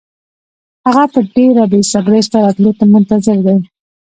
هغه په ډېره بې صبرۍ ستا راتلو ته منتظر دی.